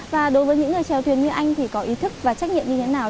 và đối với những người trèo thuyền như anh thì có ý thức và trách nhiệm như thế nào